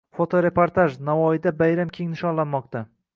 Fotoreportaj: Navoiyda bayram keng ishonlanmoqda